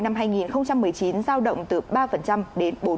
năm hai nghìn một mươi chín giao động từ ba đến bốn